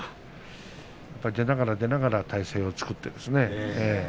出ながら出ながら体勢を作って。